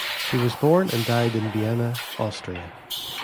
He was born and died in Vienna, Austria.